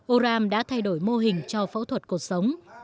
oram đã thay đổi mô hình cho phẫu thuật cuộc sống